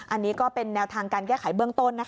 อันนี้ก็เป็นแนวทางการแก้ไขเบื้องต้น